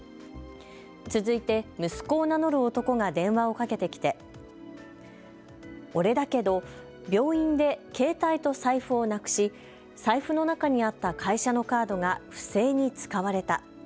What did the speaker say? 続いて息子を名乗る男が電話をかけてきて、俺だけど病院で携帯と財布をなくし財布の中にあった会社のカードが不正に使われた。